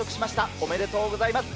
おめでとうございます。